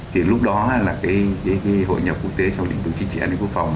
thì lúc đó hội nhập quốc tế trong lĩnh vực chính trị an ninh quốc phòng